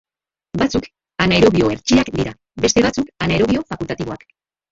Batzuk anaerobio hertsiak dira, beste batzuk anaerobio fakultatiboak.